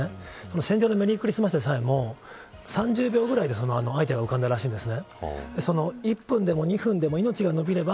戦場のメリークリスマスでさえも３０秒ぐらいでアイデアが浮かんだらしいです。